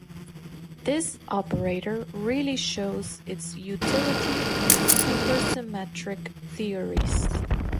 This operator really shows its utility in supersymmetric theories.